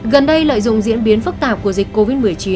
gần đây lợi dụng diễn biến phức tạp của dịch covid một mươi chín